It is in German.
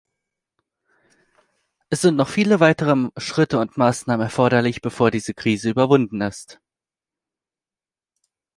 Es sind noch viele weitere Schritte und Maßnahmen erforderlich, bevor diese Krise überwunden ist.